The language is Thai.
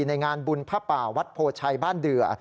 ในงานบุญพระป่าวัดโพชัยบ้านเดือ